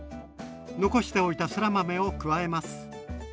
残しておいたそら豆を加えます。